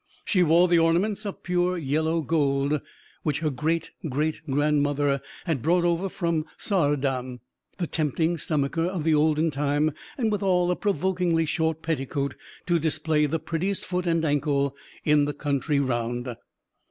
She wore the ornaments of pure yellow gold which her great great grandmother had brought over from Saardam; the tempting stomacher of the olden time, and withal a provokingly short petticoat, to display the prettiest foot and ankle in the country round.